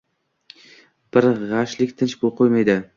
Bir g’ashlik tinch qo’ymaydi.